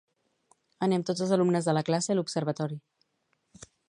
Anem tots els alumnes de la classe a l'observatori